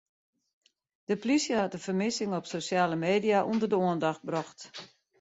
De plysje hat de fermissing op sosjale media ûnder de oandacht brocht.